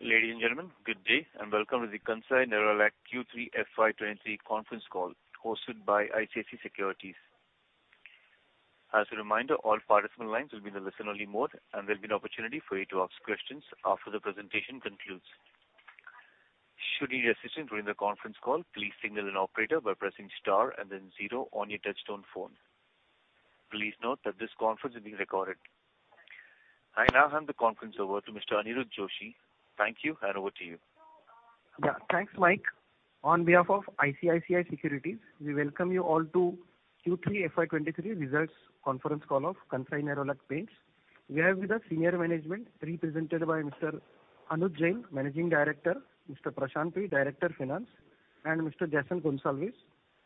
Ladies and gentlemen, good day, and welcome to the Kansai Nerolac Q3 FY 2023 conference call hosted by ICICI Securities. As a reminder, all participant lines will be in a listen-only mode, and there'll be an opportunity for you to ask questions after the presentation concludes. Should you need assistance during the conference call, please signal an operator by pressing star and then zero on your touchtone phone. Please note that this conference is being recorded. I now hand the conference over to Mr. Aniruddha Joshi. Thank you, and over to you. Yeah. Thanks, Mike. On behalf of ICICI Securities, we welcome you all to Q3 FY 2023 results conference call of Kansai Nerolac Paints. We have with us senior management represented by Mr. Anuj Jain, Managing Director, Mr. Prashant Pai, Director Finance, and Mr. Jason Gonsalves,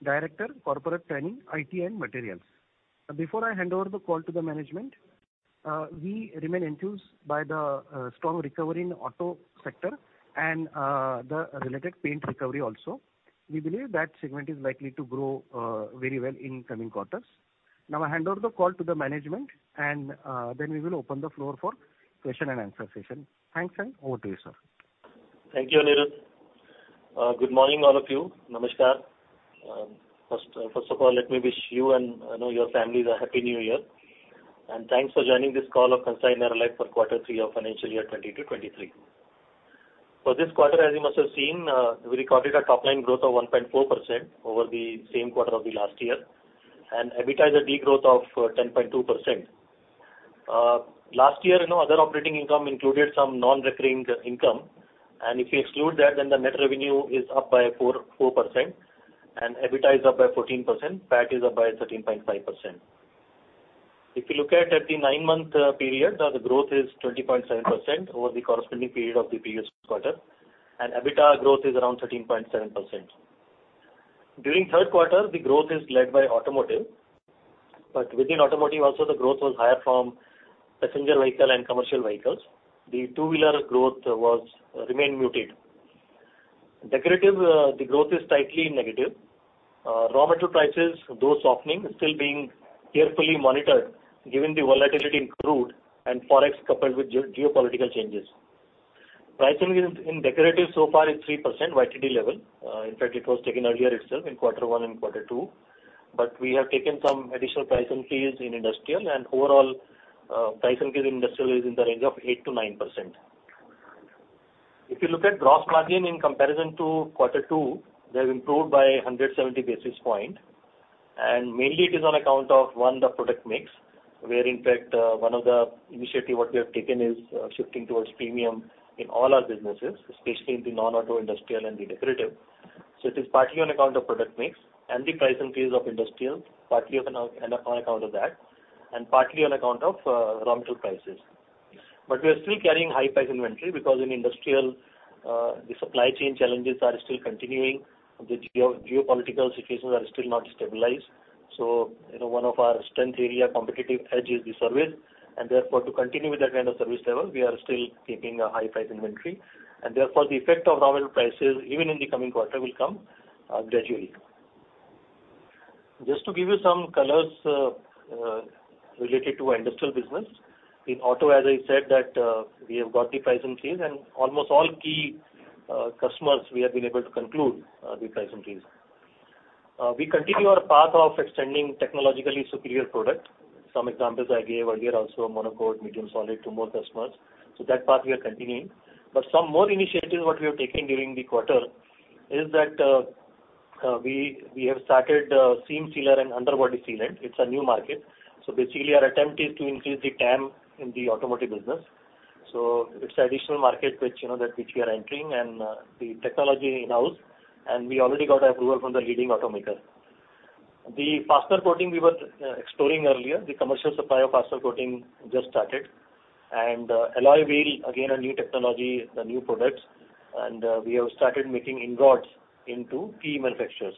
Director Corporate Planning, IT and Materials. Before I hand over the call to the management, we remain enthused by the strong recovery in auto sector and the related paint recovery also. We believe that segment is likely to grow very well in coming quarters. Now, I hand over the call to the management and then we will open the floor for question and answer session. Thanks, and over to you, sir. Thank you, Aniruddha. Good morning all of you. Namaskar. First of all, let me wish you and your families a happy New Year. Thanks for joining this call of Kansai Nerolac for quarter three of financial year 2022, 2023. For this quarter, as you must have seen, we recorded a top line growth of 1.4% over the same quarter of the last year. EBITDA de-growth of 10.2%. Last year, you know, other operating income included some non-recurring income. If you exclude that, the net revenue is up by 4%. EBITDA is up by 14%. PAT is up by 13.5%. If you look at the nine month period, the growth is 20.7% over the corresponding period of the previous quarter. EBITDA growth is around 13.7%. During third quarter, the growth is led by automotive. Within automotive also the growth was higher from passenger vehicle and commercial vehicles. The two-wheeler growth remained muted. Decorative, the growth is slightly negative. Raw material prices, though softening, still being carefully monitored given the volatility in crude and Forex coupled with geopolitical changes. Pricing in decorative so far is 3% YTD level. In fact, it was taken earlier itself in quarter one and quarter two. We have taken some additional price increase in industrial and overall price increase in industrial is in the range of 8%-9%. If you look at gross margin in comparison to quarter two, they've improved by 170 basis points. Mainly it is on account of, one, the product mix, where in fact, one of the initiative what we have taken is, shifting towards premium in all our businesses, especially in the non-auto, industrial and the decorative. It is partly on account of product mix and the price increase of industrial, partly on account of that, and partly on account of, raw material prices. We are still carrying high price inventory because in industrial, the supply chain challenges are still continuing. The geopolitical situations are still not stabilized. You know, one of our strength area competitive edge is the service, and therefore, to continue with that kind of service level, we are still keeping a high price inventory. Therefore, the effect of raw material prices, even in the coming quarter, will come gradually. Just to give you some colors related to our industrial business. In auto, as I said that, we have got the price increase and almost all key customers we have been able to conclude the price increase. We continue our path of extending technologically superior product. Some examples I gave earlier also, Monocoat, Medium Solid to more customers. That path we are continuing. Some more initiatives what we have taken during the quarter is that we have started seam sealer and underbody sealant. It's a new market. Basically our attempt is to increase the TAM in the automotive business. It's additional market which, you know, that which we are entering and the technology in-house, and we already got approval from the leading automaker. The faster coating we were exploring earlier, the commercial supply of faster coating just started. Alloy wheel, again, a new technology, the new products, and we have started making ingots into key manufacturers.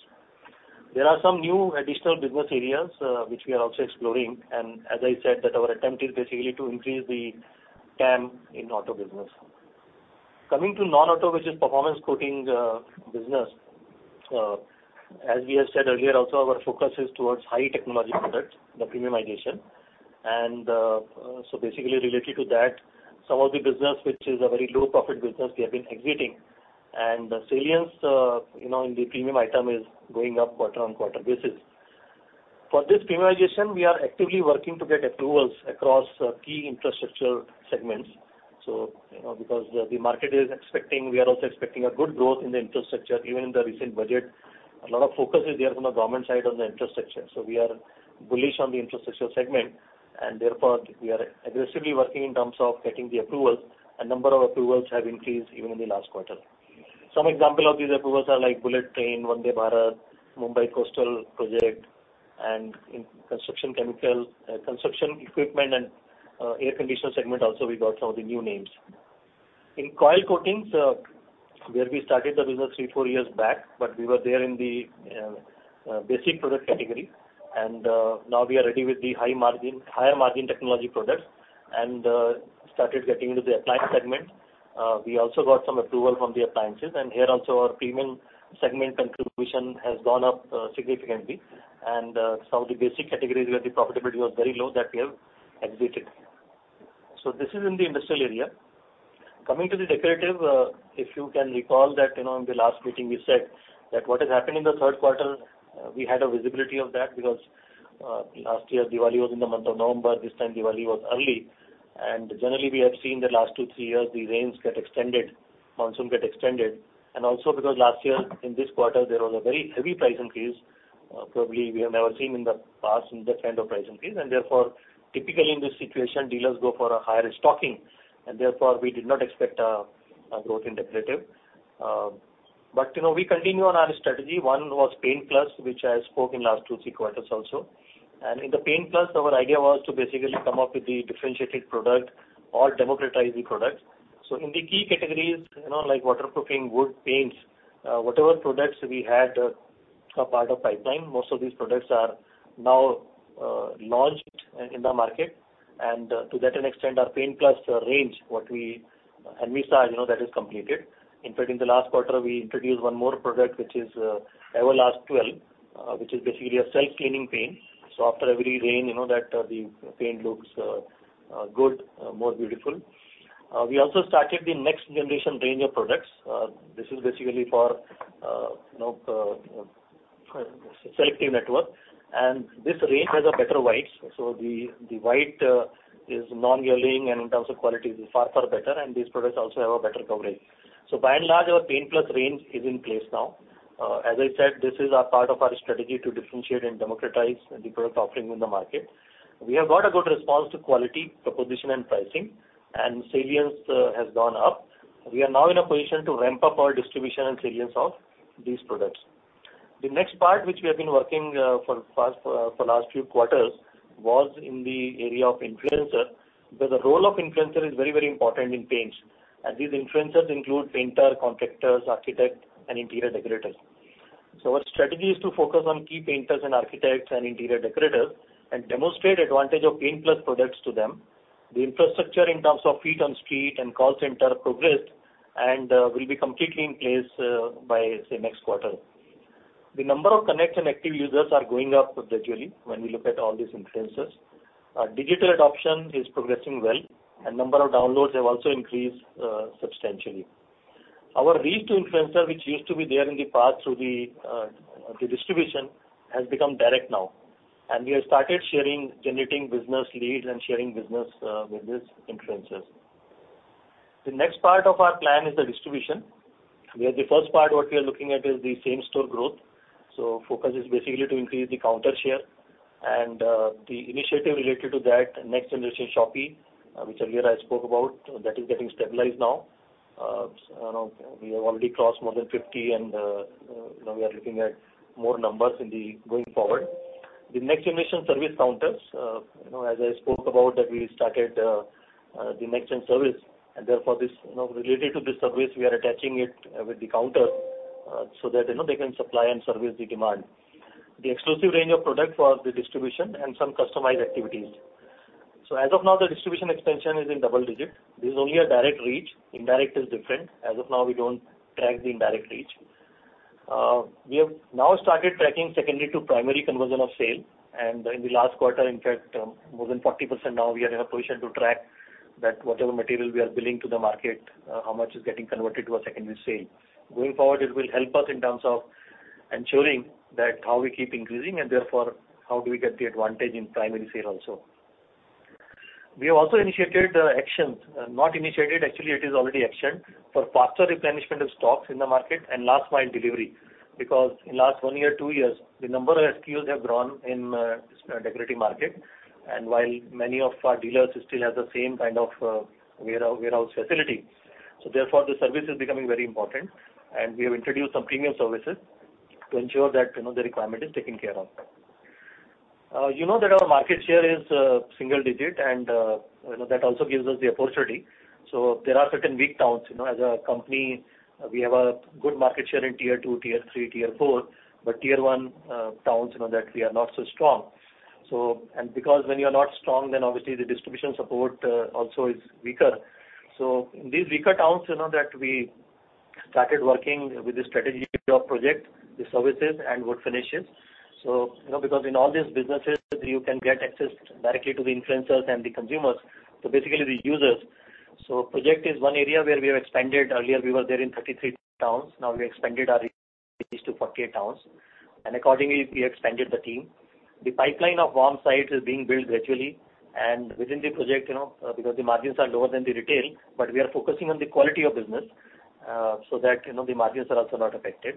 There are some new additional business areas which we are also exploring, and as I said that our attempt is basically to increase the TAM in auto business. Coming to non-auto, which is performance coatings business. As we have said earlier also, our focus is towards high technology products, the premiumization. Basically related to that, some of the business which is a very low profit business, we have been exiting. The salience, you know, in the premium item is going up quarter on quarter basis. For this premiumization, we are actively working to get approvals across key infrastructure segments. You know, because the market is expecting, we are also expecting a good growth in the infrastructure. Even in the recent budget, a lot of focus is there from the government side on the infrastructure. We are bullish on the infrastructure segment, and therefore we are aggressively working in terms of getting the approvals, and number of approvals have increased even in the last quarter. Some example of these approvals are like Bullet Train, Vande Bharat, Mumbai Coastal project, and in construction chemical, construction equipment and air conditioner segment also we got some of the new names. In coil coatings, where we started the business three, four years back, but we were there in the basic product category, now we are ready with the higher margin technology products and started getting into the appliance segment. We also got some approval from the appliances, and here also our premium segment contribution has gone up significantly. Some of the basic categories where the profitability was very low, that we have exited. This is in the industrial area. Coming to the decorative, if you can recall that, you know, in the last meeting we said that what has happened in the third quarter, we had a visibility of that because last year Diwali was in the month of November. This time Diwali was early. Generally, we have seen the last two, three years, the rains get extended, monsoon get extended. Also because last year in this quarter there was a very heavy price increase, probably we have never seen in the past such kind of price increase. Therefore, typically in this situation, dealers go for a higher stocking, therefore we did not expect a growth in decorative. You know, we continue on our strategy. One was Paint+, which I spoke in last two, three quarters also. In the Paint+, our idea was to basically come up with the differentiated product or democratize the product. So in the key categories, you know, like waterproofing, wood paints, whatever products we had, a part of pipeline, most of these products are now launched in the market. To that extent our Paint+ range, what we had visualized, you know, that is completed. In fact, in the last quarter we introduced one more product, which is Everlast 12, which is basically a self-cleaning paint. After every rain, you know that the paint looks good, more beautiful. We also started the next generation range of products. This is basically for, you know, selective network. This range has a better whites. The white is non-yellowing, and in terms of quality is far, far better, and these products also have a better coverage. By and large, our Paint+ range is in place now. As I said, this is a part of our strategy to differentiate and democratize the product offering in the market. We have got a good response to quality, proposition and pricing, and salience has gone up. We are now in a position to ramp up our distribution and salience of these products. The next part, which we have been working for past for last few quarters, was in the area of influencer, because the role of influencer is very, very important in paints. These influencers include painter, contractors, architect and interior decorators. Our strategy is to focus on key painters and architects and interior decorators and demonstrate advantage of Paint+ products to them. The infrastructure in terms of feet on street and call center progressed and will be completely in place by, say, next quarter. The number of connected and active users are going up gradually when we look at all these influencers. Our digital adoption is progressing well, and number of downloads have also increased, substantially. Our reach to influencer, which used to be there in the past through the distribution, has become direct now. We have started sharing, generating business leads and sharing business with these influencers. The next part of our plan is the distribution, where the first part what we are looking at is the same-store growth. Focus is basically to increase the counter share and the initiative related to that NextGen Shoppe, which earlier I spoke about, that is getting stabilized now. Now we have already crossed more than 50 and now we are looking at more numbers in the going forward. The NxtGen service counters, you know, as I spoke about that we started the NxtGen service and therefore this, you know, related to this service, we are attaching it with the counter, so that, you know, they can supply and service the demand. The exclusive range of product for the distribution and some customized activities. As of now, the distribution expansion is in double digit. This is only a direct reach. Indirect is different. As of now, we don't track the indirect reach. We have now started tracking secondary to primary conversion of sale. In the last quarter, in fact, more than 40% now we are in a position to track that whatever material we are billing to the market, how much is getting converted to a secondary sale. Going forward, it will help us in terms of ensuring that how we keep increasing and therefore how do we get the advantage in primary sale also. We have also initiated actions. Not initiated, actually it is already actioned, for faster replenishment of stocks in the market and last mile delivery. Because in last one year, two years, the number of SKUs have grown in decorative market, and while many of our dealers still have the same kind of warehouse facility, therefore the service is becoming very important. We have introduced some premium services to ensure that, you know, the requirement is taken care of. You know that our market share is single digit and, you know, that also gives us the opportunity. There are certain weak towns. You know, as a company, we have a good market share in tier two, tier three, tier four, but tier one towns, you know, that we are not so strong. Because when you are not strong, then obviously the distribution support also is weaker. In these weaker towns, you know, that we started working with the strategy of Project, the services and wood finishes. You know, because in all these businesses you can get access directly to the influencers and the consumers, so basically the users. Project is one area where we have expanded. Earlier we were there in 33 towns. Now we expanded our reach to 48 towns, and accordingly we expanded the team. The pipeline of warm sites is being built gradually. Within the project, you know, because the margins are lower than the retail, but we are focusing on the quality of business, so that, you know, the margins are also not affected.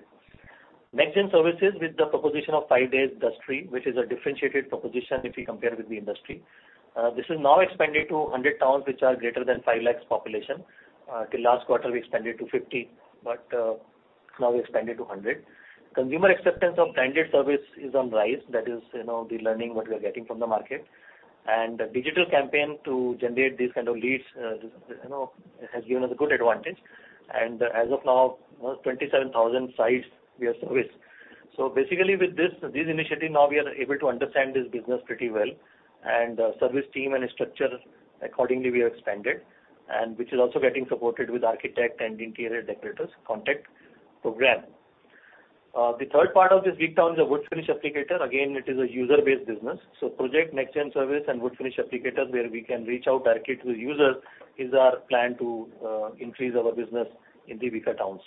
Next-gen services with the proposition of five-day dust free, which is a differentiated proposition if we compare with the industry. This is now expanded to 100 towns which are greater than 5 lakh population. Till last quarter we expanded to 50, now we expanded to 100. Consumer acceptance of timed service is on rise. That is, you know, the learning what we are getting from the market. Digital campaign to generate these kind of leads, you know, has given us a good advantage. As of now, 27,000 sites we have serviced. Basically with this, these initiatives now we are able to understand this business pretty well, and service team and structure accordingly we have expanded and which is also getting supported with architect and interior decorators contact program. The third part of this week town is a wood finish applicator. Again, it is a user-based business. Project NxtGen service and wood finish applicator where we can reach out directly to the user is our plan to increase our business in the weaker towns.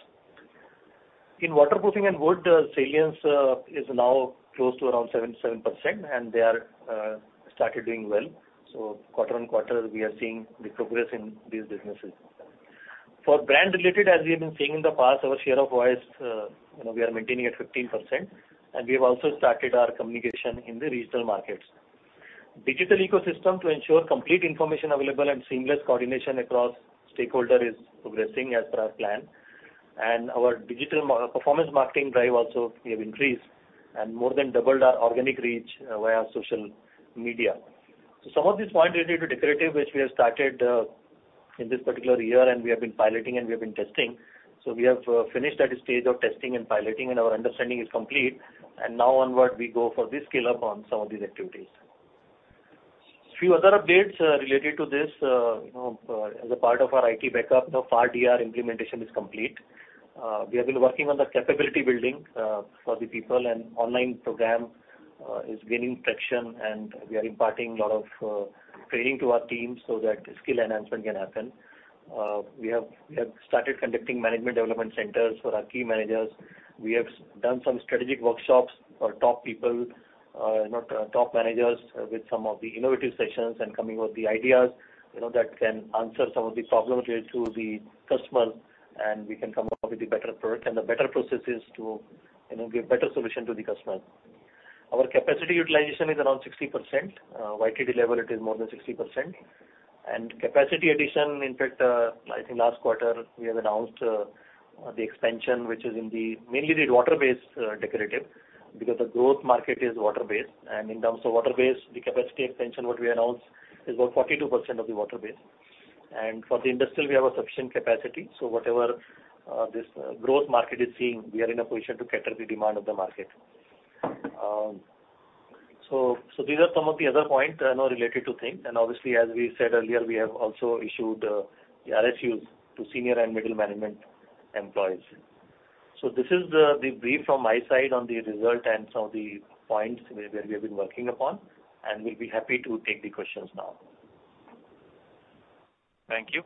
In waterproofing and wood, salience is now close to around 77%, and they are started doing well. Quarter-on-quarter, we are seeing the progress in these businesses. For brand related, as we have been seeing in the past, our share of voice, you know, we are maintaining at 15%. We have also started our communication in the regional markets. Digital ecosystem to ensure complete information available and seamless coordination across stakeholder is progressing as per our plan. Our digital performance marketing drive also we have increased and more than doubled our organic reach via social media. Some of these points related to decorative, which we have started, in this particular year, and we have been piloting and we have been testing. We have finished that stage of testing and piloting, and our understanding is complete. Now onward, we go for the scale up on some of these activities. Few other updates, related to this, you know, as a part of our IT backup, the far DR implementation is complete. We have been working on the capability building for the people and online program is gaining traction, and we are imparting lot of training to our team so that skill enhancement can happen. We have started conducting management development centers for our key managers. We have done some strategic workshops for top people, you know, top managers with some of the innovative sessions and coming with the ideas, you know, that can answer some of the problems related to the customer, and we can come up with a better product and the better processes to, you know, give better solution to the customer. Our capacity utilization is around 60%. YTD level, it is more than 60%. Capacity addition, in fact, I think last quarter we have announced the expansion, which is in the mainly the water-based decorative because the growth market is water-based. In terms of water-based, the capacity expansion what we announced is about 42% of the water-based. For the industrial, we have a sufficient capacity. Whatever, this growth market is seeing, we are in a position to cater the demand of the market. So these are some of the other points, you know, related to thing. Obviously, as we said earlier, we have also issued the RSUs to senior and middle management employees. This is the brief from my side on the result and some of the points where we have been working upon, and we'll be happy to take the questions now. Thank you.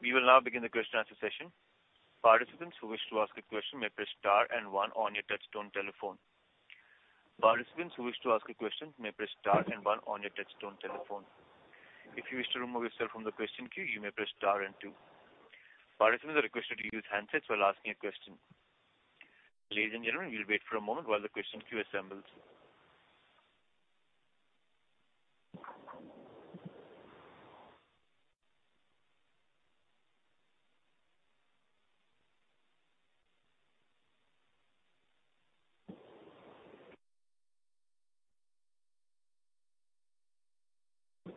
We will now begin the question answer session. Participants who wish to ask a question may press star and one on your touchtone telephone. Participants who wish to ask a question may press star and one on your touchtone telephone. If you wish to remove yourself from the question queue, you may press star and two. Participants are requested to use handsets while asking a question. Ladies and gentlemen, we'll wait for a moment while the question queue assembles.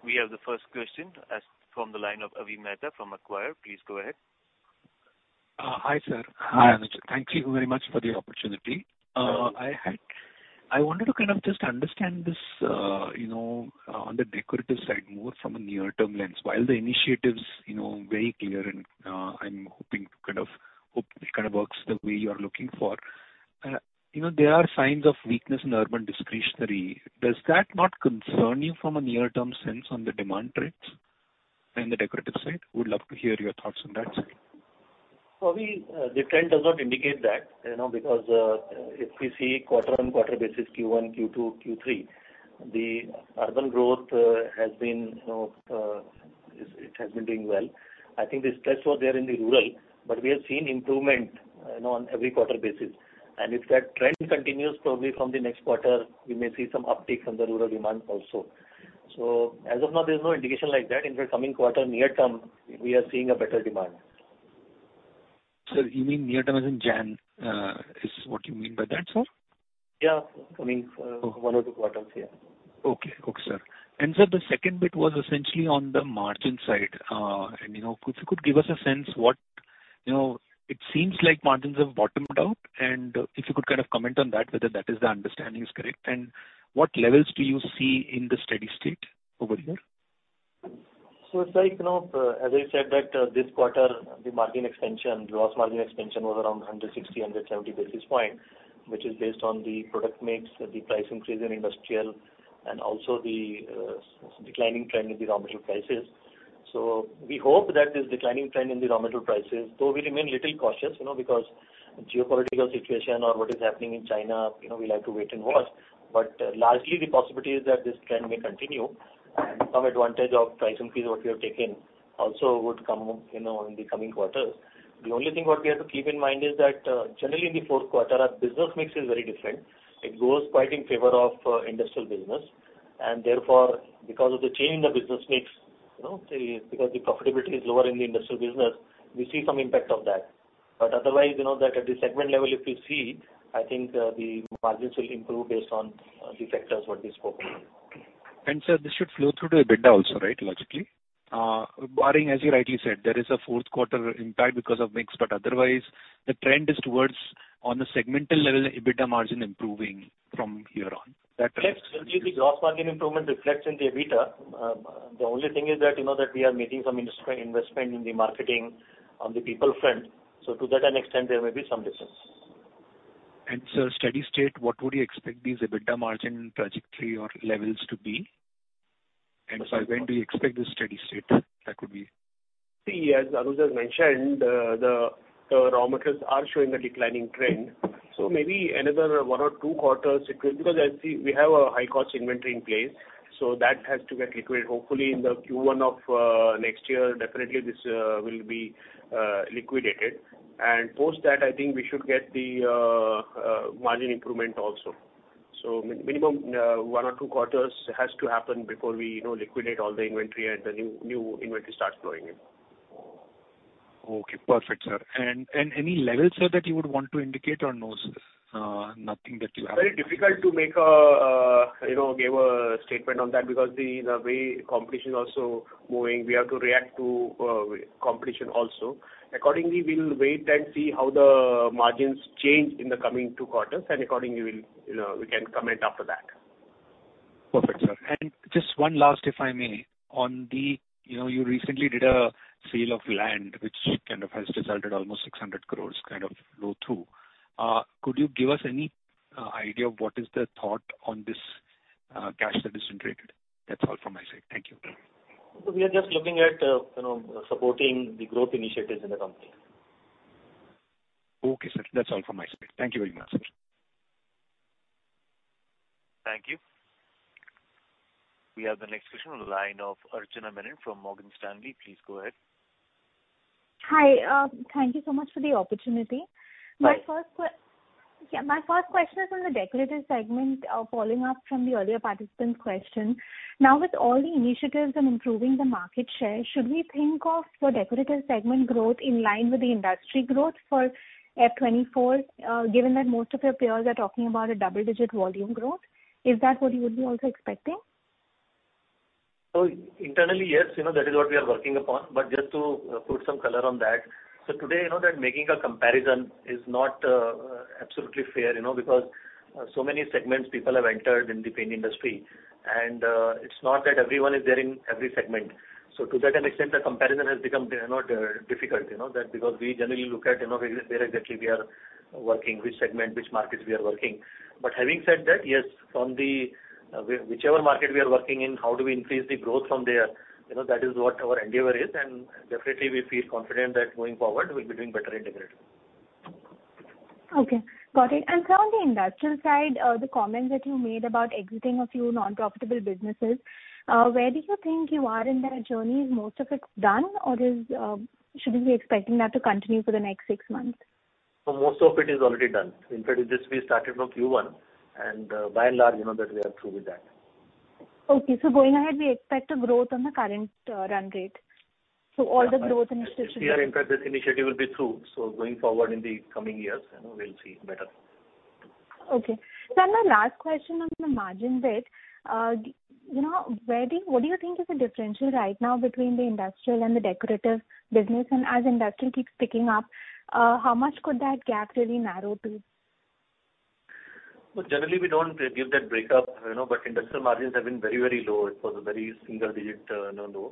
We have the first question asked from the line of Avi Mehta from Macquarie. Please go ahead. Hi, sir. Hi. Thank you very much for the opportunity. I wanted to kind of just understand this, you know, on the decorative side more from a near-term lens. While the initiative's, you know, very clear and, I'm hoping kind of, hope it kind of works the way you are looking for, you know, there are signs of weakness in urban discretionary. Does that not concern you from a near-term sense on the demand trades in the decorative side? Would love to hear your thoughts on that side. We, the trend does not indicate that, you know, because, if we see quarter on quarter basis Q1, Q2, Q3, the urban growth has been, you know, it has been doing well. I think the stress was there in the rural, but we have seen improvement, you know, on every quarter basis. If that trend continues probably from the next quarter, we may see some uptick from the rural demand also. As of now, there's no indication like that. In the coming quarter near term, we are seeing a better demand. You mean near-term as in January, is what you mean by that, sir? Yeah. I mean, one or two quarters, yeah. Okay. Okay, sir. Sir, the second bit was essentially on the margin side. You know, if you could give us a sense what, you know, it seems like margins have bottomed out. If you could kind of comment on that, whether that is the understanding is correct, and what levels do you see in the steady state over here? It's like, you know, as I said that, this quarter the margin expansion, gross margin expansion was around 160, 170 basis points, which is based on the product mix, the price increase in industrial and also the declining trend in the raw material prices. We hope that this declining trend in the raw material prices, though we remain little cautious, you know, because geopolitical situation or what is happening in China, you know, we like to wait and watch. Largely the possibility is that this trend may continue and some advantage of price increase what we have taken also would come, you know, in the coming quarters. The only thing what we have to keep in mind is that, generally in the fourth quarter our business mix is very different. It goes quite in favor of industrial business and therefore because of the change in the business mix, you know, because the profitability is lower in the industrial business, we see some impact of that. Otherwise, you know that at the segment level, if you see, I think, the margins will improve based on the factors what we spoke about. Sir, this should flow through to EBITDA also, right? Logically. barring, as you rightly said, there is a fourth quarter impact because of mix, but otherwise the trend is towards on a segmental level, EBITDA margin improving from here on. Yes. Usually the gross margin improvement reflects in the EBITDA. The only thing is that, you know, that we are making some investment in the marketing on the people front. To that extent, there may be some difference. Sir, steady state, what would you expect the EBITDA margin trajectory or levels to be? sir, when do you expect the steady state? See, as Anuj has mentioned, the raw materials are showing a declining trend, so maybe another one or two quarters it will. Because we have a high-cost inventory in place, so that has to get liquid. Hopefully, in the Q1 of next year, definitely this will be liquidated. Post that, I think we should get the margin improvement also. Minimum, one or two quarters has to happen before we, you know, liquidate all the inventory and the new inventory starts flowing in. Okay. Perfect, sir. Any level, sir, that you would want to indicate or no, sir? nothing that you have. Very difficult to make a, you know, give a statement on that because the way competition is also moving, we have to react to competition also. Accordingly, we'll wait and see how the margins change in the coming two quarters and accordingly we'll, you know, we can comment after that. Perfect, sir. Just one last, if I may. You know, you recently did a sale of land which kind of has resulted almost 600 crores kind of flow through. Could you give us any idea of what is the thought on this cash that is generated? That's all from my side. Thank you. We are just looking at, you know, supporting the growth initiatives in the company. Okay, sir. That's all from my side. Thank you very much. Thank you. We have the next question on the line of Archana Menon from Morgan Stanley. Please go ahead. Hi. Thank you so much for the opportunity. Hi. My first question is on the decorative segment, following up from the earlier participant's question. Now, with all the initiatives on improving the market share, should we think of your decorative segment growth in line with the industry growth for FY 2024, given that most of your peers are talking about a double-digit volume growth? Is that what you would be also expecting? Internally, yes, you know, that is what we are working upon. Just to put some color on that. Today, you know, that making a comparison is not absolutely fair, you know, because so many segments people have entered in the paint industry. It's not that everyone is there in every segment. To that extent, the comparison has become, you know, difficult, you know. Because we generally look at, you know, where exactly we are working, which segment, which markets we are working. Having said that, yes, from whichever market we are working in, how do we increase the growth from there? You know, that is what our endeavor is. Definitely we feel confident that going forward we'll be doing better in decorative. Okay. Got it. Sir, on the industrial side, the comment that you made about exiting a few non-profitable businesses, where do you think you are in that journey? Is most of it done or is, should we be expecting that to continue for the next six months? Most of it is already done. In fact, this we started from Q1. By and large, you know that we are through with that. Okay. Going ahead, we expect a growth on the current run rate. All the growth initiatives- Yeah. In fact, this initiative will be through. Going forward in the coming years, you know, we'll see it better. Okay. Sir, my last question on the margin bit. you know, what do you think is the differential right now between the industrial and the decorative business? As industrial keeps picking up, how much could that gap really narrow to? Well, generally we don't give that breakup, you know, but industrial margins have been very, very low. It was a very single digit, you know, low.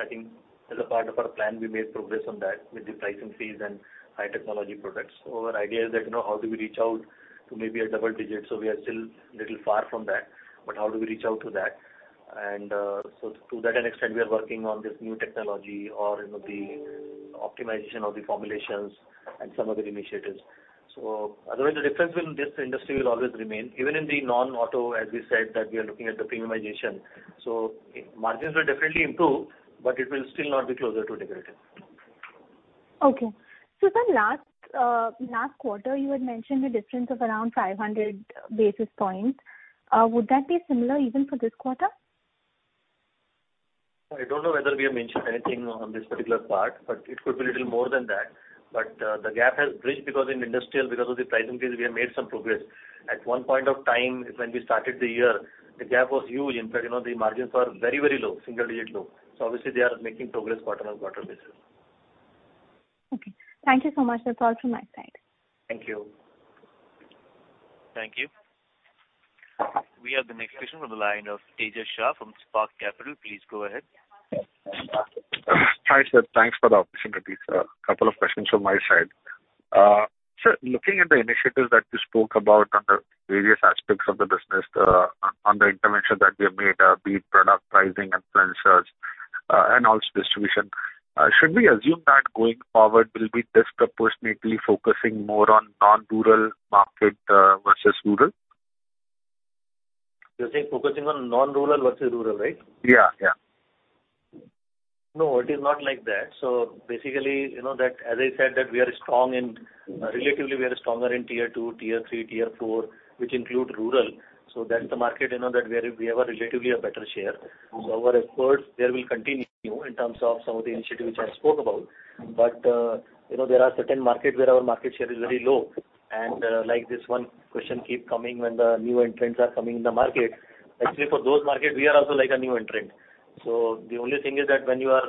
I think as a part of our plan, we made progress on that with the price increase and high technology products. Our idea is that, you know, how do we reach out to maybe a double digit? We are still a little far from that, but how do we reach out to that? To that extent, we are working on this new technology or, you know, the optimization of the formulations and some other initiatives. Otherwise the difference in this industry will always remain. Even in the non-auto, as we said, that we are looking at the premiumization. Margins will definitely improve, but it will still not be closer to decorative. Okay. last quarter, you had mentioned a difference of around 500 basis points. would that be similar even for this quarter? I don't know whether we have mentioned anything on this particular part, but it could be a little more than that. The gap has bridged because in industrial, because of the price increase, we have made some progress. At one point of time, when we started the year, the gap was huge. In fact, you know, the margins are very, very low, single digit low. Obviously they are making progress quarter-on-quarter basis. Okay. Thank you so much. That's all from my side. Thank you. Thank you. We have the next question on the line of Tejas Shah from Spark Capital. Please go ahead. Hi, sir. Thanks for the opportunity, sir. Couple of questions from my side. Sir, looking at the initiatives that you spoke about on the various aspects of the business, on the intervention that we have made, be it product pricing, influencers, and also distribution, should we assume that going forward we'll be disproportionately focusing more on non-rural market versus rural? You're saying focusing on non-rural versus rural, right? Yeah, yeah. No, it is not like that. Basically, you know that as I said, that we are strong in-- Relatively, we are stronger in tier two, tier three, tier four, which include rural. That's the market, you know, that we are, we have a relatively a better share. Our efforts there will continue in terms of some of the initiatives which I spoke about. You know, there are certain market where our market share is very low. Like this one question keep coming when the new entrants are coming in the market. Actually, for those market, we are also like a new entrant. The only thing is that when you are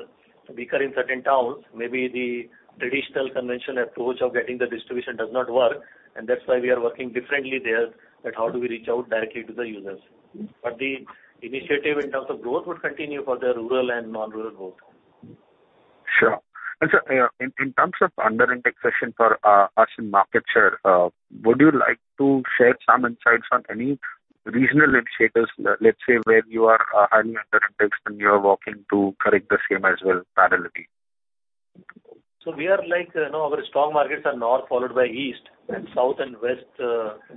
weaker in certain towns, maybe the traditional conventional approach of getting the distribution does not work. That's why we are working differently there, that how do we reach out directly to the users. The initiative in terms of growth would continue for the rural and non-rural both. Sure. Sir, in terms of under-indexation for asking market share, would you like to share some insights on any regional initiatives, let's say, where you are highly under indexed and you are working to correct the same as well parallelly? We are like, you know, our strong markets are north, followed by east, and south and west,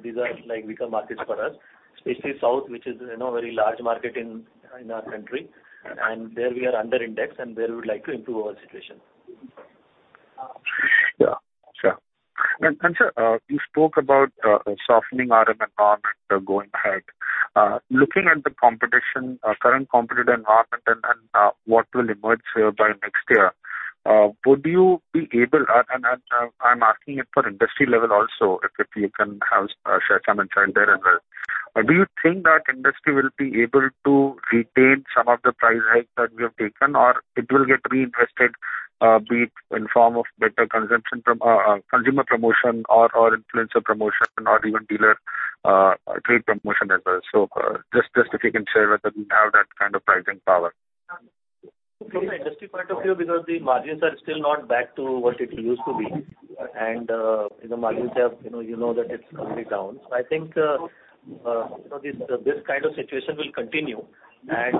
these are like weaker markets for us, especially south, which is, you know, very large market in our country. There we are under indexed, and there we would like to improve our situation. Yeah, sure. Sir, you spoke about softening RMM environment going ahead. Looking at the competition, current competitive environment and what will emerge here by next year, would you be able and I'm asking it for industry level also, if you can have, share some insight there as well? Do you think that industry will be able to retain some of the price hikes that we have taken or it will get reinvested, be it in form of better consumption consumer promotion or influencer promotion or even dealer trade promotion as well? Just if you can share whether we have that kind of pricing power? From an industry point of view, because the margins are still not back to what it used to be and, you know, margins have, you know that it's coming down. I think, you know, this kind of situation will continue and,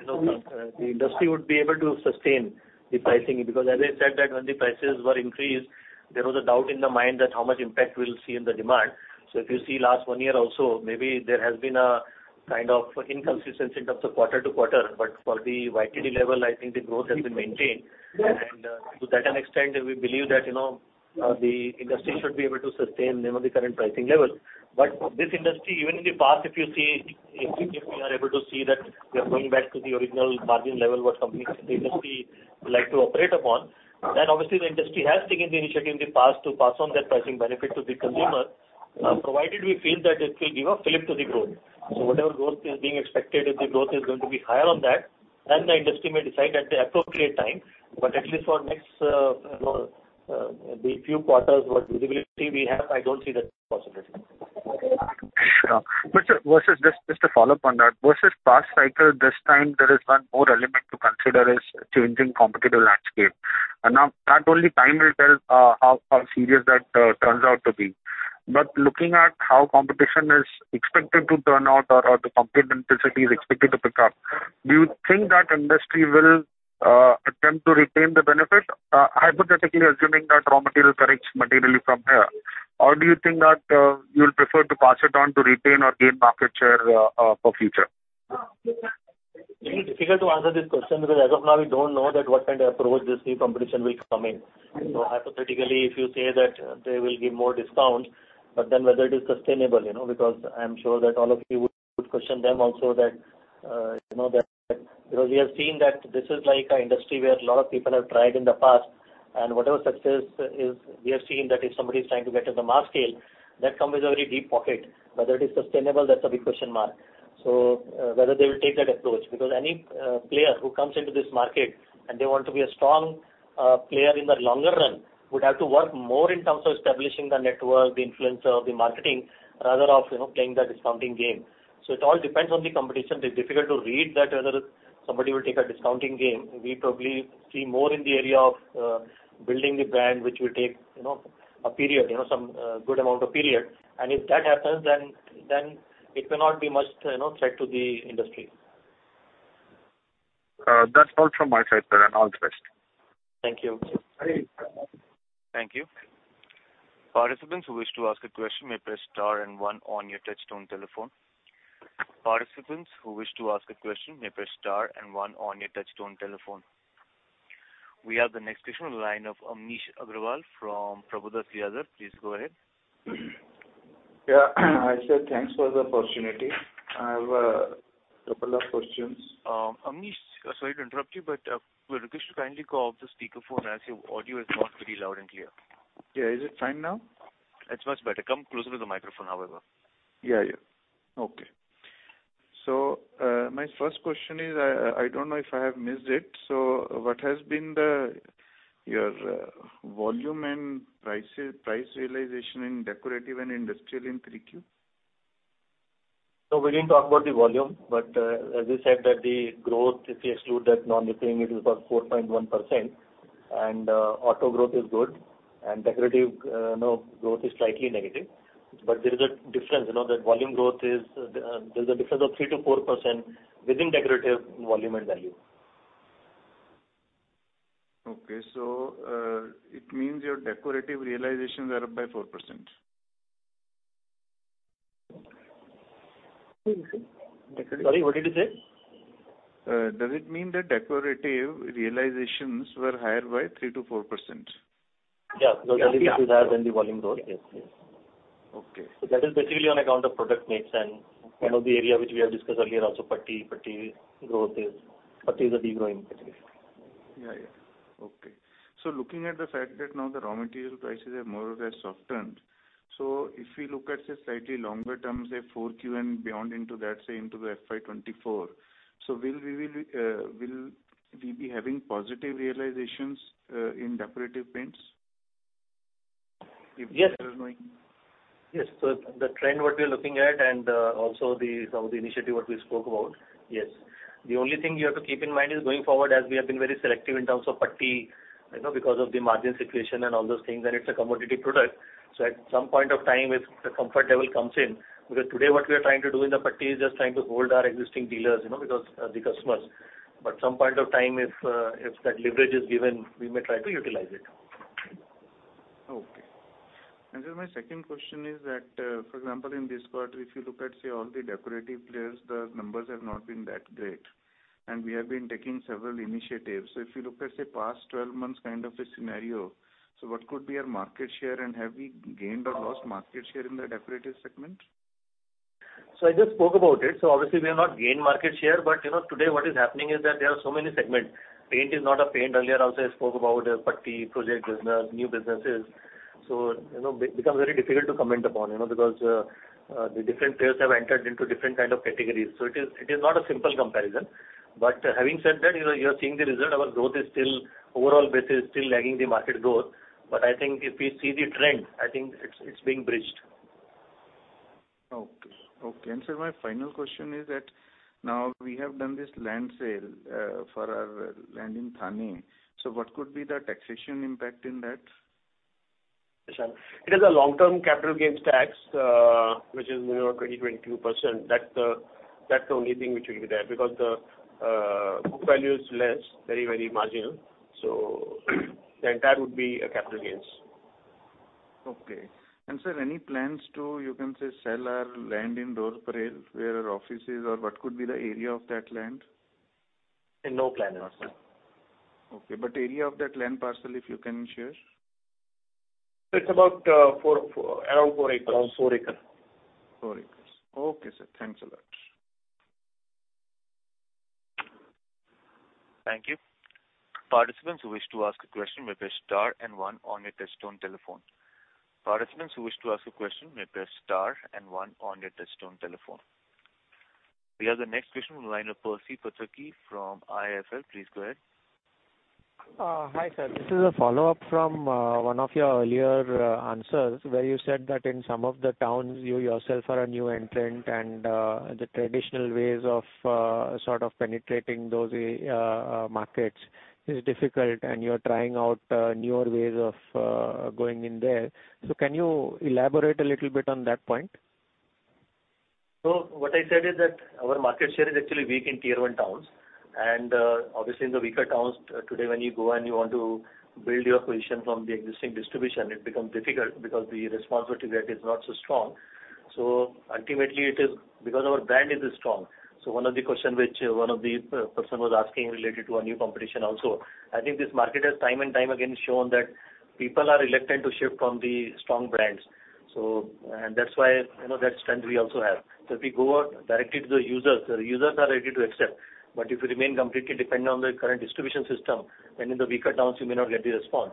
you know, the industry would be able to sustain the pricing. As I said that when the prices were increased, there was a doubt in the mind that how much impact we'll see in the demand. If you see last one year also, maybe there has been a kind of inconsistency in terms of quarter to quarter. For the YTD level, I think the growth has been maintained. To that extent, we believe that, you know, the industry should be able to sustain, you know, the current pricing levels. This industry, even in the past, if you see, if we are able to see that we are going back to the original margin level what companies, the industry would like to operate upon, then obviously the industry has taken the initiative in the past to pass on that pricing benefit to the consumer, provided we feel that it will give a flip to the growth. Whatever growth is being expected, if the growth is going to be higher on that, then the industry may decide at the appropriate time. At least for next, you know, the few quarters, what visibility we have, I don't see that possibility. Sure. Sir, versus just to follow up on that, versus past cycle, this time there is one more element to consider is changing competitive landscape. Now that only time will tell how serious that turns out to be. Looking at how competition is expected to turn out or the competitive intensity is expected to pick up, do you think that industry will attempt to retain the benefit hypothetically assuming that raw material corrects materially from here? Do you think that you'll prefer to pass it on to retain or gain market share for future? It's difficult to answer this question because as of now, we don't know that what kind of approach this new competition will come in. Hypothetically, if you say that they will give more discount, whether it is sustainable, you know. I'm sure that all of you would question them also that, you know, that, you know, we have seen that this is like a industry where a lot of people have tried in the past. Whatever success is, we have seen that if somebody is trying to get to the mass scale, that come with a very deep pocket. Whether it is sustainable, that's a big question mark. Whether they will take that approach. Because any player who comes into this market and they want to be a strong player in the longer run, would have to work more in terms of establishing the network, the influencer, the marketing, rather of, you know, playing the discounting game. It all depends on the competition. It's difficult to read that whether somebody will take a discounting game. We probably see more in the area of building the brand, which will take, you know, a period, you know, some good amount of period. If that happens, then it may not be much, you know, threat to the industry. That's all from my side, sir, all the best. Thank you. Thank you. Participants who wish to ask a question may press star and one on your touchtone telephone. We have the next question on the line of Amnish Aggarwal from Prabhudas Lilladher. Please go ahead. Yeah. Hi, sir. Thanks for the opportunity. I have a couple of questions. Amnish, sorry to interrupt you, but would you kindly go off the speaker phone, as your audio is not very loud and clear. Yeah. Is it fine now? It's much better. Come closer to the microphone, however. Yeah, yeah. Okay. My first question is, I don't know if I have missed it. What has been your volume and price realization in decorative and industrial in 3Q? We didn't talk about the volume, but as we said that the growth, if we exclude that non-recurring, it is about 4.1%. Auto growth is good and decorative, you know, growth is slightly negative. There is a difference, you know, that volume growth is, there's a difference of 3%-4% within decorative volume and value. Okay. It means your decorative realizations are up by 4%. Sorry, what did you say? Does it mean that decorative realizations were higher by 3%-4%? Yeah. The realization is higher than the volume growth. Yes, yes. Okay. That is basically on account of product mix and one of the area which we have discussed earlier also, Putty is a degrowing category. Yeah, yeah. Okay. Looking at the fact that now the raw material prices have more or less softened, if we look at, say, slightly longer term, say 4Q and beyond into that, say into the FY 2024, will we be having positive realizations in decorative paints? Yes. Yes. The trend what we are looking at and, also some of the initiative what we spoke about, yes. The only thing you have to keep in mind is going forward, as we have been very selective in terms of Putty, you know, because of the margin situation and all those things, and it's a commodity product. At some point of time, if the comfort level comes in, because today what we are trying to do in the Putty is just trying to hold our existing dealers, you know, because, the customers. Some point of time, if that leverage is given, we may try to utilize it. Okay. My second question is that, for example, in this quarter, if you look at, say, all the decorative players, the numbers have not been that great, and we have been taking several initiatives. If you look at, say, past 12-months kind of a scenario, so what could be our market share and have we gained or lost market share in the decorative segment? I just spoke about it. Obviously we have not gained market share. You know, today what is happening is that there are so many segments. Paint is not a paint. Earlier also I spoke about Putty, project business, new businesses. You know, becomes very difficult to comment upon, you know, because the different players have entered into different kind of categories. It is not a simple comparison. Having said that, you know, you are seeing the result. Our growth is still, overall basis still lagging the market growth. I think if we see the trend, I think it's being bridged. Okay. Okay. Sir, my final question is that now we have done this land sale for our land in Thane, what could be the taxation impact in that? It is a long-term capital gains tax, you know, which is 20.2%. That's the only thing which will be there. Because the book value is less, very marginal. That would be a capital gains. Okay. Sir, any plans to, you can say, sell our land in Lower Parel where our office is? What could be the area of that land? No plan as of now. Okay. Area of that land parcel, if you can share? It's about, around 4 acres. Around 4 acres. Four acres. Okay, sir. Thanks a lot. Thank you. Participants who wish to ask a question may press star and one on your touchtone telephone. We have the next question on the line of Percy Panthaki from IIFL. Please go ahead. Hi sir. This is a follow-up from one of your earlier answers, where you said that in some of the towns you yourself are a new entrant and the traditional ways of sort of penetrating those markets is difficult and you're trying out newer ways of going in there. Can you elaborate a little bit on that point? What I said is that our market share is actually weak in Tier One towns. Obviously in the weaker towns today, when you go and you want to build your position from the existing distribution, it becomes difficult because the responsibility rate is not so strong. Ultimately it is because our brand is strong. One of the question which one of the person was asking related to a new competition also, I think this market has time and time again shown that people are reluctant to shift from the strong brands. That's why, you know, that strength we also have. If we go out directly to the users, the users are ready to accept. If you remain completely dependent on the current distribution system, then in the weaker towns you may not get the response.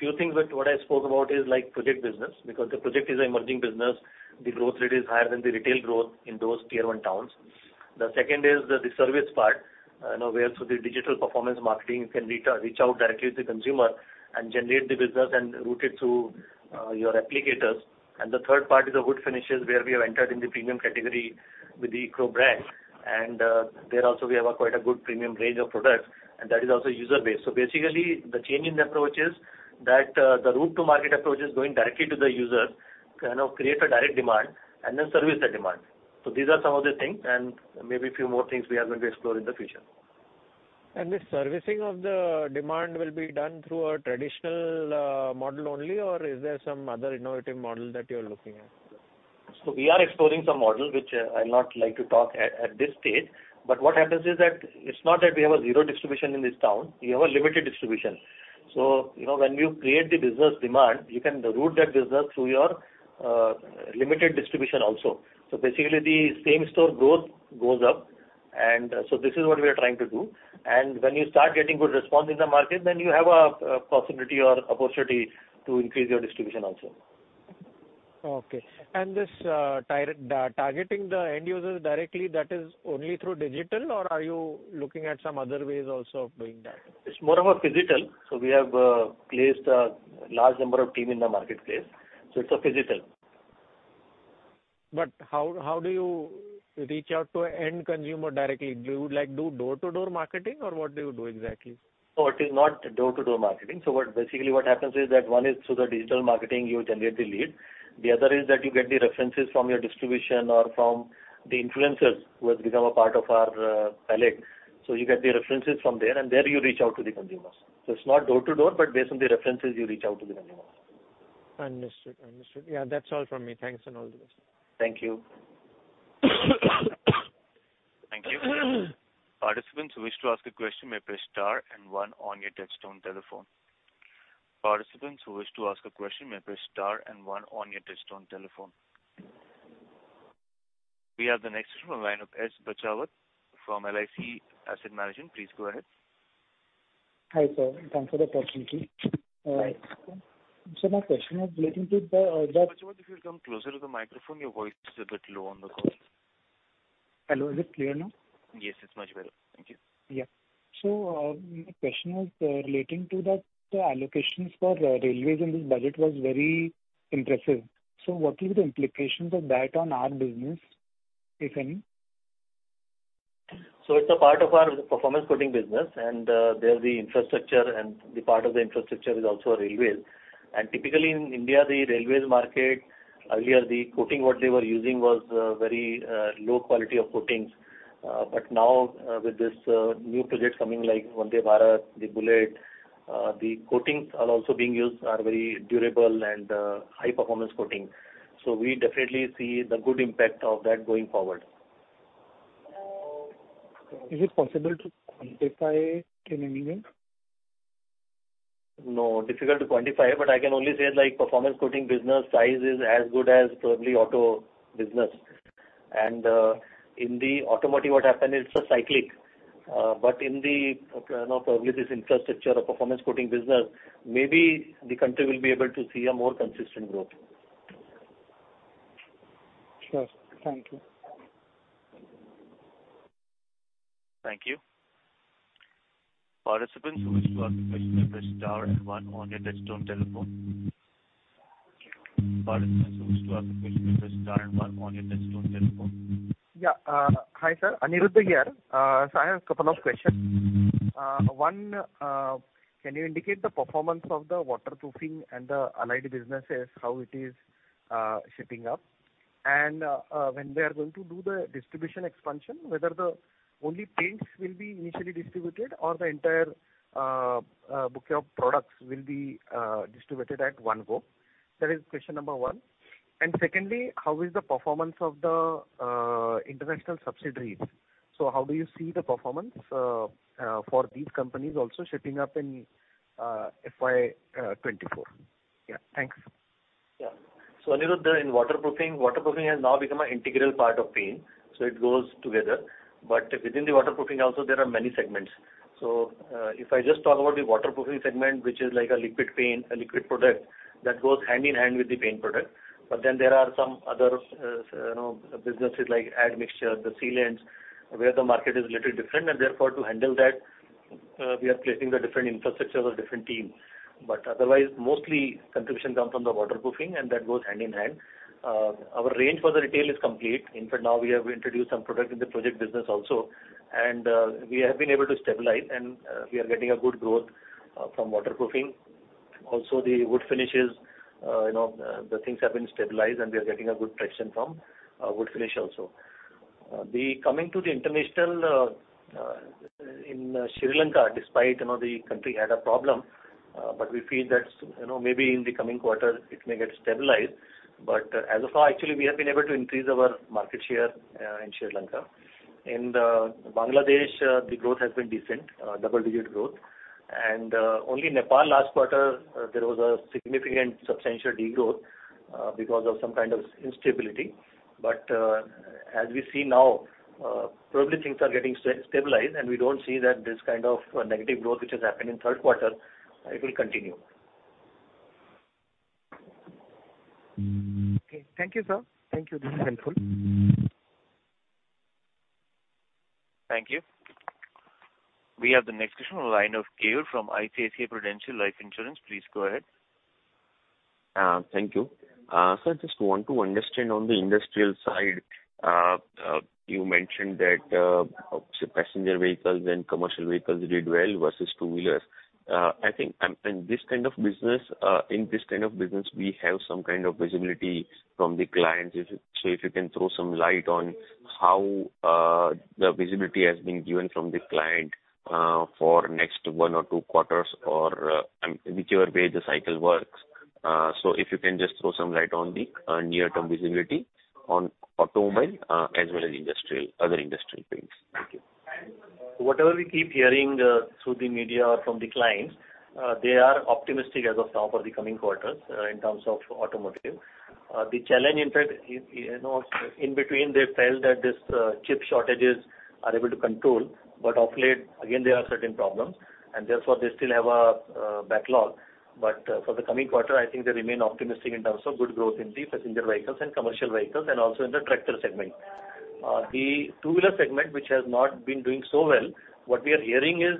Few things with what I spoke about is like project business. Because the project is an emerging business, the growth rate is higher than the retail growth in those Tier 1 towns. The second is the service part, you know, where through the digital performance marketing you can reach out directly to the consumer and generate the business and route it through your applicators. The third part is the wood finishes, where we have entered in the premium category with the Eco brand. There also we have a quite a good premium range of products, and that is also user-based. Basically the change in the approach is that the route to market approach is going directly to the user, kind of create a direct demand and then service that demand. These are some of the things, and maybe few more things we are going to explore in the future. This servicing of the demand will be done through a traditional model only or is there some other innovative model that you're looking at? We are exploring some model which I'll not like to talk at this stage. What happens is that it's not that we have a zero distribution in this town, we have a limited distribution. You know, when you create the business demand, you can route that business through your limited distribution also. Basically the same store growth goes up. This is what we are trying to do. When you start getting good response in the market, then you have a possibility or opportunity to increase your distribution also. Okay. This, targeting the end users directly, that is only through digital or are you looking at some other ways also of doing that? It's more of a Phygital. We have placed a large number of team in the marketplace, so it's a Phygital. How do you reach out to end consumer directly? Do you like, do door-to-door marketing or what do you do exactly? No, it is not door-to-door marketing. Basically what happens is that one is through the digital marketing you generate the lead. The other is that you get the references from your distribution or from the influencers who have become a part of our palette. You get the references from there, and there you reach out to the consumers. It's not door-to-door, but based on the references you reach out to the consumers. Understood. Yeah. That's all from me. Thanks and all the best. Thank you. Thank you. Participants who wish to ask a question may press star and one on your touchtone telephone. Participants who wish to ask a question may press star and one on your touchtone telephone. We have the next from the line of S. Bachawat from LIC Asset Management. Please go ahead. Hi, sir. Thanks for the opportunity. Thanks. My question is relating to the. Bachawat, if you'll come closer to the microphone. Your voice is a bit low on the call. Hello. Is it clear now? Yes, it's much better. Thank you. Yeah. My question is, relating to the allocations for, railways in this budget was very impressive. What will be the implications of that on our business, if any? It's a part of our performance coating business. There the infrastructure and the part of the infrastructure is also railways. Typically in India, the railways market, earlier the coating what they were using was very low quality of coatings. Now, with this new project coming, like Vande Bharat, the Bullet, the coatings are also being used are very durable and high performance coating. We definitely see the good impact of that going forward. Is it possible to quantify in any way? No, difficult to quantify, but I can only say like performance coating business size is as good as probably auto business. In the automotive, what happened is it's cyclic. In the, you know, probably this infrastructure or performance coating business, maybe the country will be able to see a more consistent growth. Sure. Thank you. Thank you. Participants who wish to ask a question may press star and one on your touchtone telephone. Participants who wish to ask a question may press star and one on your touchtone telephone. Yeah. Hi, sir. Aniruddha here. I have a couple of questions. One, can you indicate the performance of the waterproofing and the allied businesses, how it is shaping up? When they are going to do the distribution expansion, whether the only paints will be initially distributed or the entire bouquet of products will be distributed at one go? That is question number one. Secondly, how is the performance of the international subsidiaries? How do you see the performance for these companies also shaping up in FY 2024? Yeah. Thanks. Yeah. Aniruddha, in waterproofing has now become an integral part of paint, so it goes together. Within the waterproofing also there are many segments. If I just talk about the waterproofing segment, which is like a liquid paint, a liquid product that goes hand in hand with the paint product. There are some other, you know, businesses like admixture, the sealants, where the market is little different. Therefore, to handle that, we are placing the different infrastructures or different teams. Otherwise mostly contribution comes from the waterproofing, and that goes hand in hand. Our range for the retail is complete. In fact, now we have introduced some product in the project business also, and we have been able to stabilize and we are getting a good growth from waterproofing. Also the wood finishes, you know, the things have been stabilized and we are getting a good traction from wood finish also. Coming to the international, in Sri Lanka, despite, you know, the country had a problem, but we feel that, you know, maybe in the coming quarters it may get stabilized. But as of now, actually, we have been able to increase our market share in Sri Lanka. In Bangladesh, the growth has been decent, double-digit growth. Only Nepal last quarter, there was a significant substantial degrowth because of some kind of instability. As we see now, probably things are getting stabilized, and we don't see that this kind of negative growth which has happened in third quarter, it will continue. Okay. Thank you, sir. Thank you. This is helpful. Thank you. We have the next question on the line of Keyur from ICICI Prudential Life Insurance. Please go ahead. Thank you. Sir, just want to understand on the industrial side, you mentioned that passenger vehicles and commercial vehicles did well versus two-wheelers. I think, in this kind of business, we have some kind of visibility from the clients. If you can throw some light on how the visibility has been given from the client for next one or two quarters or whichever way the cycle works. If you can just throw some light on the near-term visibility on automobile, as well as industrial, other industrial paints. Thank you. Whatever we keep hearing, through the media or from the clients, they are optimistic as of now for the coming quarters, in terms of automotive. The challenge in fact, you know, in between they felt that this chip shortages are able to control, but of late again, there are certain problems and therefore they still have a backlog. For the coming quarter, I think they remain optimistic in terms of good growth in the passenger vehicles and commercial vehicles and also in the tractor segment. The two-wheeler segment, which has not been doing so well, what we are hearing is,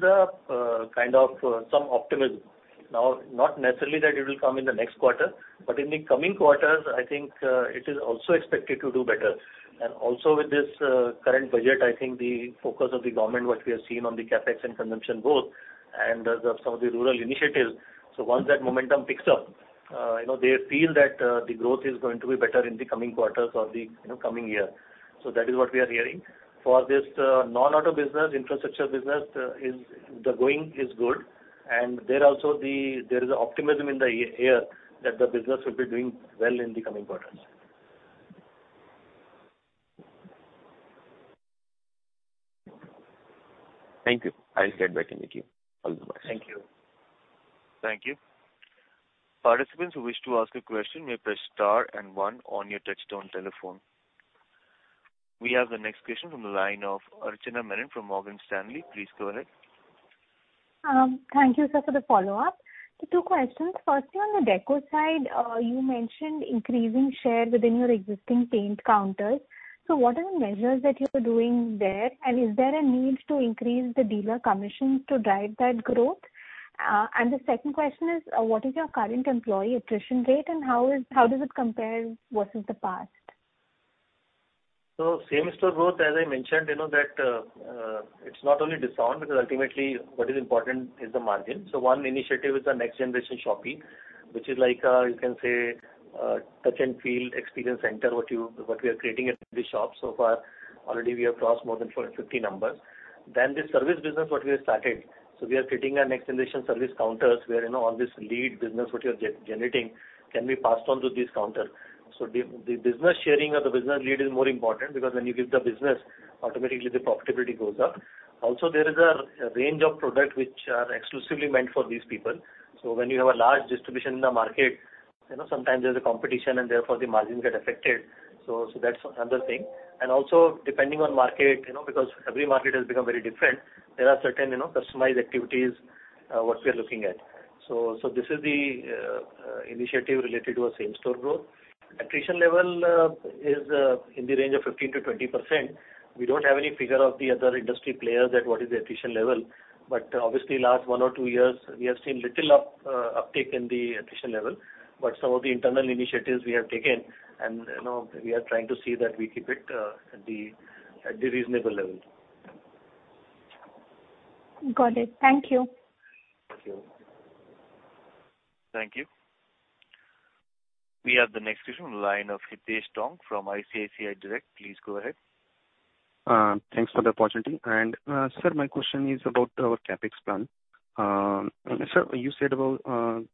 kind of, some optimism. Not necessarily that it will come in the next quarter, but in the coming quarters, I think, it is also expected to do better. Also with this, current budget, I think the focus of the government, what we have seen on the CapEx and consumption both and the, some of the rural initiatives. Once that momentum picks up, you know, they feel that the growth is going to be better in the coming quarters or the, you know, coming year. That is what we are hearing. For this, non-auto business, infrastructure business, is the going is good. There also there is optimism in the air, that the business will be doing well in the coming quarters. Thank you. I'll get back in with you. All the best. Thank you. Thank you. Participants who wish to ask a question may press star and one on your touchtone telephone. We have the next question from the line of Archana Menon from Morgan Stanley. Please go ahead. Thank you, sir, for the follow-up. Two questions. Firstly, on the deco side, you mentioned increasing share within your existing paint counters. What are the measures that you are doing there, and is there a need to increase the dealer commission to drive that growth? The second question is, what is your current employee attrition rate and how does it compare versus the past? Same-store growth, as I mentioned, you know that it's not only discount because ultimately what is important is the margin. One initiative is the NxtGen shopping, which is like you can say touch and feel experience center what we are creating at the shop. So far already we have crossed more than 40, 50 numbers. The service business what we have started. We are creating a NxtGen service counters where, you know, all this lead business what you are generating can be passed on to this counter. The business sharing or the business lead is more important because when you give the business, automatically the profitability goes up. Also, there is a range of product which are exclusively meant for these people. When you have a large distribution in the market, you know, sometimes there's a competition and therefore the margins get affected. That's another thing. Also depending on market, you know, because every market has become very different, there are certain, you know, customized activities, what we are looking at. This is the initiative related to a same-store growth. Attrition level is in the range of 15%-20%. We don't have any figure of the other industry players at what is the attrition level. Obviously last one or two years we have seen little uptick in the attrition level. Some of the internal initiatives we have taken and, you know, we are trying to see that we keep it at the reasonable level. Got it. Thank you. Thank you. Thank you. We have the next question on the line of Hitesh Taunk from ICICI Direct. Please go ahead. Thanks for the opportunity. My question is about our CapEx plan. You said about our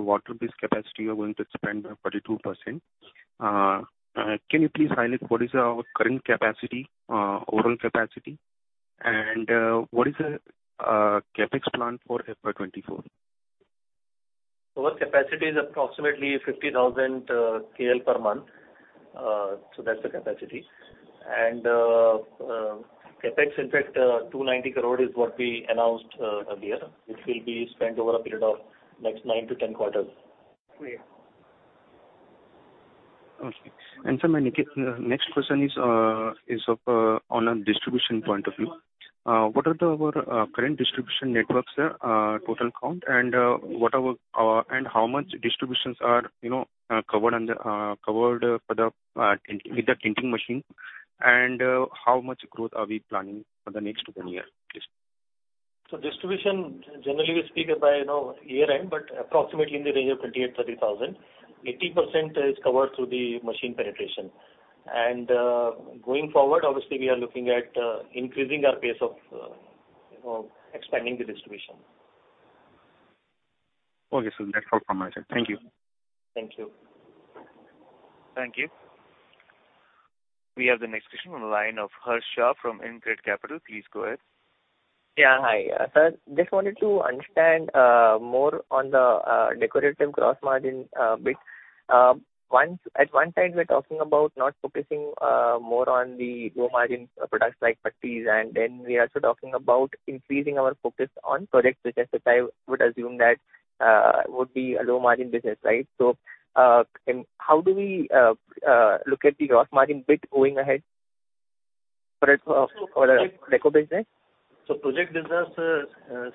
water-based capacity you are going to spend 42%. Can you please highlight what is our current capacity, overall capacity? What is the CapEx plan for FY 2024? Our capacity is approximately 50,000 KL per month. That's the capacity. CapEx, in fact, 290 crore is what we announced earlier, which will be spent over a period of next nine to 10 quarters. Great. Okay. Sir, my next question is on a distribution point of view. What are our current distribution networks, total count and how much distributions are, you know, covered under covered for the with the tinting machine and how much growth are we planning for the next one year, please? Distribution, generally we speak it by, you know, year end, but approximately in the range of 28,000-30,000. 80% is covered through the machine penetration. Going forward obviously we are looking at increasing our pace of, you know, expanding the distribution. Okay, sir. That's all from my side. Thank you. Thank you. Thank you. We have the next question on the line of Harsh Shah from InCred Capital. Please go ahead. Yeah. Hi. Sir, just wanted to understand more on the decorative gross margin bit. One, at one time we're talking about not focusing more on the low margin products like putties and then we are also talking about increasing our focus on projects which I would assume that would be a low margin business, right? Can, how do we look at the gross margin bit going ahead for our deco business? Project business,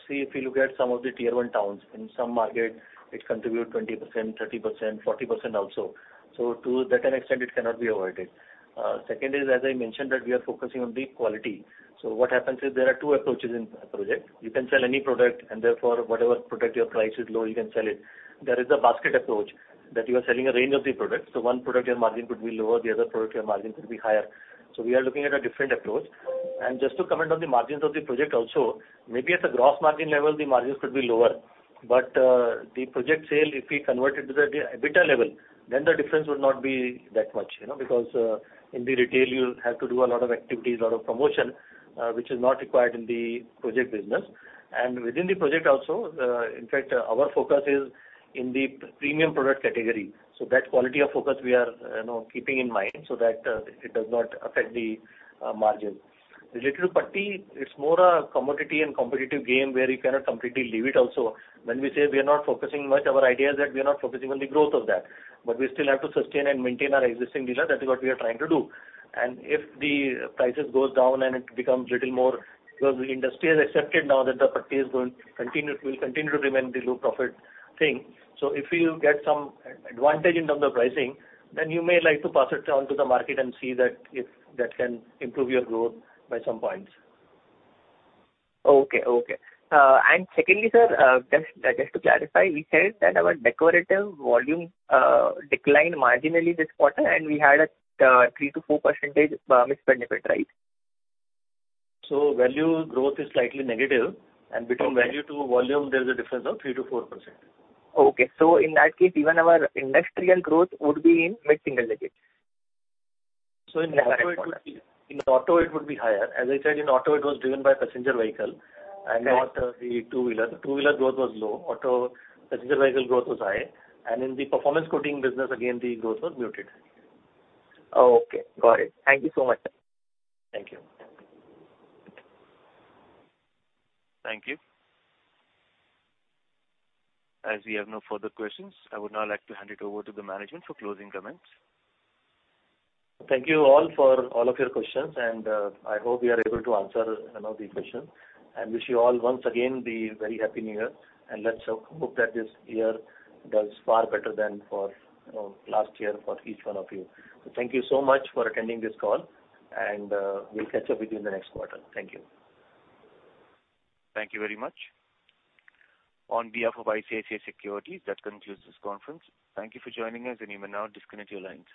see if you look at some of the tier one towns, in some markets it contribute 20%, 30%, 40% also. To that an extent it cannot be avoided. Second is, as I mentioned, that we are focusing on the quality. What happens is there are two approaches in a project. You can sell any product and therefore whatever product your price is low, you can sell it. There is a basket approach that you are selling a range of the products. One product your margin could be lower, the other product your margin could be higher. We are looking at a different approach. Just to comment on the margins of the project also, maybe at the gross margin level the margins could be lower. The project sale, if we convert it to the EBITDA level, then the difference would not be that much, you know. In the retail you'll have to do a lot of activities, a lot of promotion, which is not required in the project business. Within the project also, in fact our focus is in the premium product category. That quality of focus we are, you know, keeping in mind so that it does not affect the margin. Related to Putty, it's more a commodity and competitive game where you cannot completely leave it also. When we say we are not focusing much, our idea is that we are not focusing on the growth of that. We still have to sustain and maintain our existing dealer. That is what we are trying to do. If the prices goes down and it becomes little more, because the industry has accepted now that the Putty is going to continue, will continue to remain the low profit thing. If you get some advantage in terms of pricing, then you may like to pass it on to the market and see that if that can improve your growth by some points. Okay. Okay. Secondly, sir, just to clarify, we said that our decorative volume declined marginally this quarter and we had a 3%-4% mix benefit, right? value growth is slightly negative, and between value to volume there's a difference of 3%-4%. Okay. In that case even our industrial growth would be in mid-single digits. In auto it would be higher. As I said, in auto it was driven by passenger vehicle and not the two-wheeler. The two-wheeler growth was low. Auto passenger vehicle growth was high. In the performance coating business, again the growth was muted. Oh, okay. Got it. Thank Thank you so much. Thank you. Thank you. As we have no further questions, I would now like to hand it over to the management for closing comments. Thank you all for all of your questions, and I hope we are able to answer, you know, the questions. Wish you all once again the very happy New Year, and let's hope that this year does far better than for last year for each one of you. Thank you so much for attending this call and we'll catch up with you in the next quarter. Thank you. Thank you very much. On behalf of ICICI Securities, that concludes this conference. Thank you for joining us. You may now disconnect your lines.